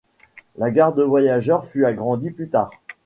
La gare de voyageur fut agrandie plus tard.